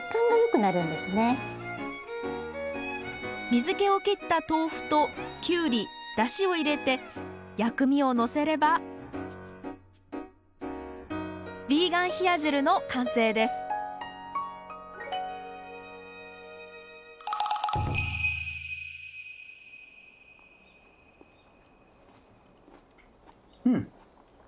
水気を切った豆腐とキュウリダシを入れて薬味をのせればヴィーガン冷や汁の完成ですうん！